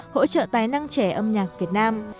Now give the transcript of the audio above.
hỗ trợ tài năng trẻ âm nhạc việt nam